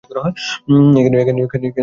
এখানেই থেমে যাও!